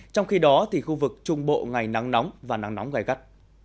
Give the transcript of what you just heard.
trong khi đó thì khu vực trung bộ ngày nắng nóng và nắng nóng gai gắt